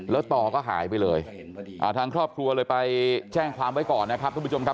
แล้วต่อก็หายไปเลยทางครอบครัวเลยไปแจ้งความไว้ก่อนนะครับทุกผู้ชมครับ